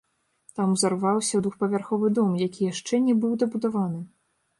Там узарваўся двухпавярховы дом, які яшчэ не быў дабудаваны.